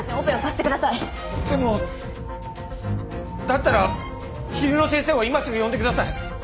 だったら昼の先生を今すぐ呼んでください。